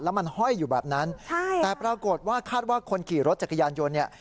มันห้อยอยู่แบบนั้นใช่แต่ปรากฏว่าคาดว่าคนขี่รถจักรยานยนต์เนี่ย